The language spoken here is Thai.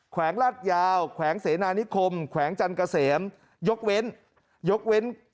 แขวงลาดยาวแขวงเสนานิคมแขวงจันเกษมยกเว้นยกเว้น